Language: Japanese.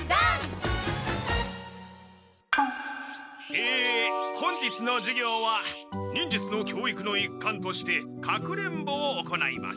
え本日の授業は忍術の教育の一環として隠れんぼを行います。